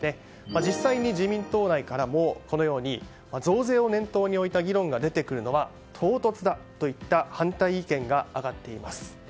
実際に自民党内からもこのように増税を念頭に置いた議論が出てくるのは唐突だといった反対意見が上がっています。